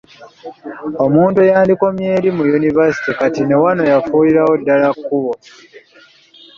Omuntu ey’andikomye eri mu yunivasite kati ne wano yafuulirawo ddala kkubo.